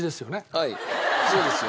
はいそうですよ。